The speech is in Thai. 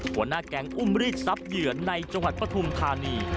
หัวหน้าแก๊งอุ้มรีดทรัพย์เหยื่อในจังหวัดปฐุมธานี